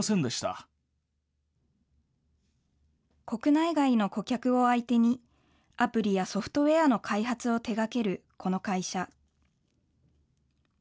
国内外の顧客を相手に、アプリやソフトウエアの開発を手がけるこの会社。